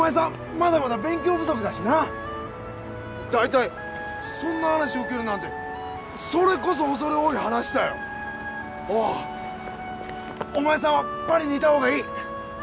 まだまだ勉強不足だしな大体そんな話受けるなんてそれこそ恐れ多い話だよおおッお前さんはパリにいたほうがいい！